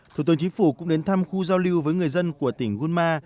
thủ tướng chính phủ cũng đến thăm khu giao lưu với người dân của tỉnh gân ma